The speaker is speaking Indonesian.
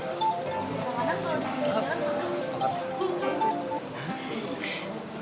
ih kenapa mah telepon kamu sih bukan telepon abah